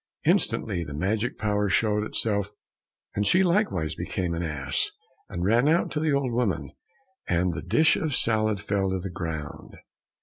Instantly the magic power showed itself, and she likewise became an ass and ran out to the old woman, and the dish of salad fell to the ground.